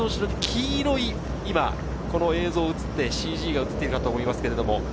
黄色い映像が映って、ＣＧが映っているかと思います。